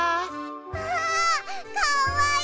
わあかわいい！